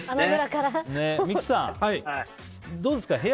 三木さん、どうですか。